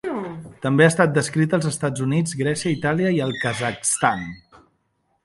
També ha estat descrita als Estats Units, Grècia, Itàlia i el Kazakhstan.